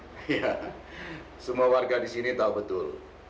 iya semua warga di sini tahu betul